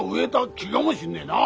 木がもしんねえな。